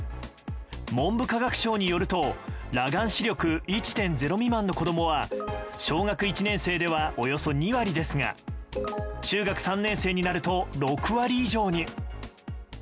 文部科学省によると裸眼視力１．０未満の子供は小学１年生ではおよそ２割ですが中学３年生になると６割以上に。